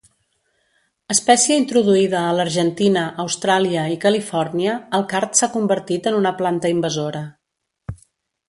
Espècie introduïda a l'Argentina, Austràlia i Califòrnia, el card s'ha convertit en una planta invasora.